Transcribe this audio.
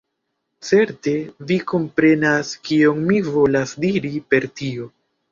Certe vi komprenas kion mi volas diri per tio.